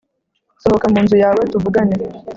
sohoka munzu yawe tuvugane,